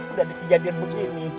udah dikejadian begini